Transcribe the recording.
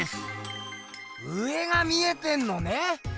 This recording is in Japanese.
上が見えてんのね！